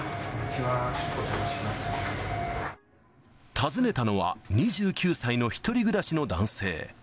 訪ねたのは、２９歳の１人暮らしの男性。